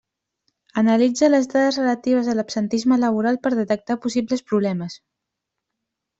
Analitza les dades relatives a l'absentisme laboral per detectar possibles problemes.